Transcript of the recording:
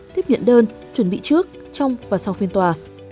tiếp nhận đơn chuẩn bị trước trong và sau phiên tòa